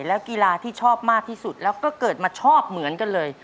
แล้วกีฬาที่ชอบมากที่สุดแล้วก็เกิดมาชอบเหมือนกันเลย